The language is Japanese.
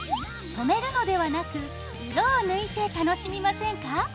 染めるのではなく色を抜いて楽しみませんか。